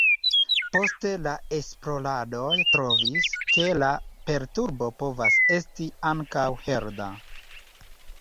Poste la esploradoj trovis, ke la perturbo povas esti ankaŭ hereda.